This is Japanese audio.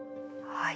はい。